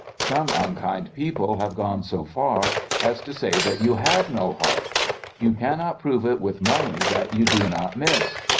Some unkind people have gone so far as to say that you have no heart. You can not prove it with money that you do not miss.